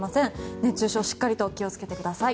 熱中症しっかりと気をつけてください。